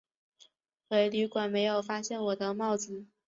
回旅馆没有发现我的帽子